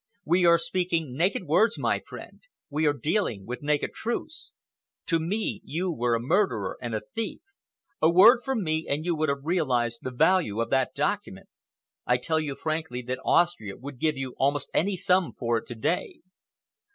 We are speaking naked words, my friend. We are dealing with naked truths. To me you were a murderer and a thief. A word from me and you would have realized the value of that document. I tell you frankly that Austria would give you almost any sum for it to day."